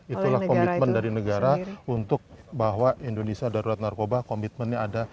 itulah komitmen dari negara untuk bahwa indonesia darurat narkoba komitmennya ada